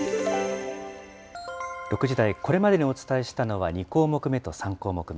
６時台、これまでにお伝えしたのは、２項目目と３項目目。